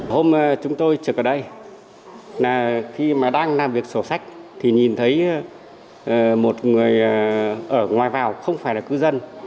hôm chúng tôi trực ở đây là khi mà đang làm việc sổ sách thì nhìn thấy một người ở ngoài vào không phải là cư dân